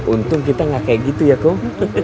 untung kita gak kayak gitu ya kum